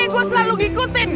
gua selalu ngikutin